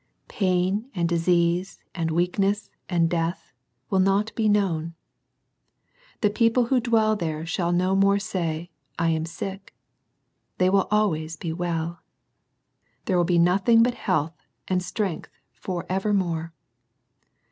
Pain and disease and weakness and death will not be known. The people who dwell there shall no more say, "I am sick." They will be always well. There will be nothing but health and strength for evermore.